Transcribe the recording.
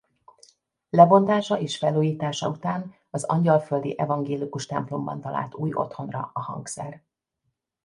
Lebontása és felújítása után az Angyalföldi Evangélikus templomban talált új otthonra a hangszer.